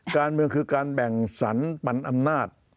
การเมืองคือการแบ่งสรรปันอำนาจ